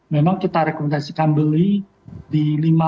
memang kita rekomendasikan beli di lima ribu lima ratus lima ribu tujuh ratus